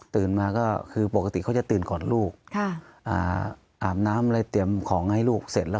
มาก็คือปกติเขาจะตื่นก่อนลูกอาบน้ำอะไรเตรียมของให้ลูกเสร็จแล้ว